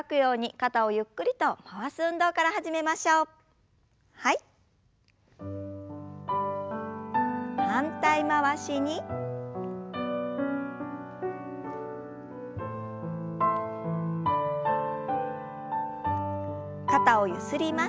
肩をゆすります。